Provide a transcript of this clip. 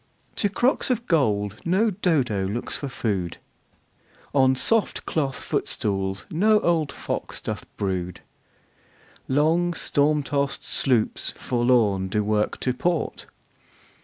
To crocks of gold no Dodo looks for food. On soft cloth footstools no old fox doth brood. Long storm tost sloops forlorn do work to port.